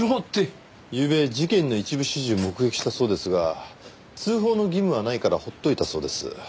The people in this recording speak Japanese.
ゆうべ事件の一部始終を目撃したそうですが通報の義務はないから放っといたそうです。